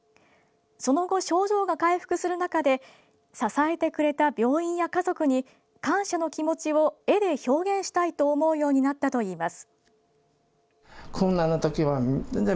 その後、症状が回復する中で支えてくれた病院や家族に感謝の気持ちを絵で表現したいと思うようになったといいます。